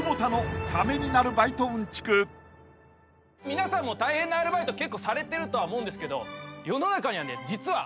皆さんも大変なアルバイト結構されてると思うんですけど世の中にはね実は。